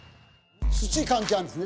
土関係あるんですね？